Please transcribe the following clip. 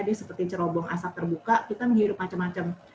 dia seperti cerobong asap terbuka kita menghirup macam macam